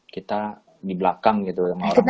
kita di belakang gitu